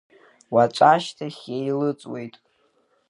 Уаҵәашьҭахь еилыҵуеит…